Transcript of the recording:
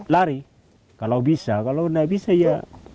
lari kalau bisa kalau tidak bisa ya